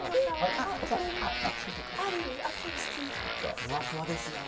ふわふわですよね。